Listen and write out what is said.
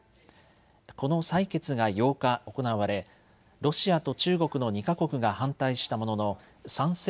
この採決が８日、行われロシアと中国の２か国が反対したものの賛成